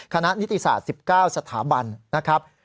นิติศาสตร์๑๙สถาบันนะครับ